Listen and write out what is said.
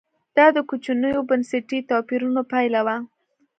دا د کوچنیو بنسټي توپیرونو پایله وه